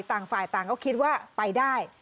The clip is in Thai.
ต่างฝ่ายต่างก็คิดว่าไปได้